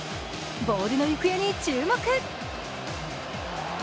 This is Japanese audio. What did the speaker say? ボールの行方に注目。